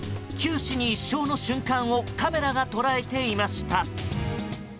九死に一生の瞬間をカメラが捉えていました。